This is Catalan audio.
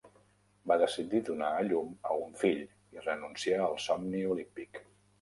Va decidir donar a llum a un fill i renunciar al somni olímpic.